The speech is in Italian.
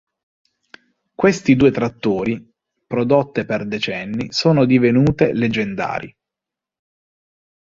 Questi due trattori, prodotte per decenni, sono divenute leggendari.